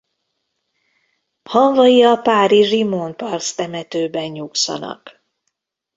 Hamvai a párizsi Montparnasse temetőben nyugszanak.